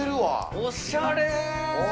おしゃれー。